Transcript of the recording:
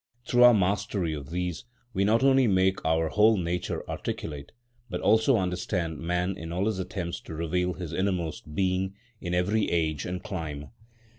Through our mastery of these we not only make our whole nature articulate, but also understand man in all his attempts to reveal his innermost being in every age and clime.